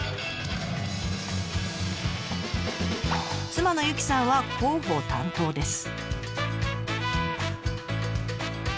妻の有紀さんは広報担当です。